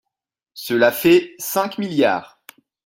Cela fait cinq milliards